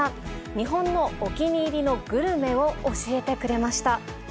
日本のお気に入りのグルメを教えてくれました。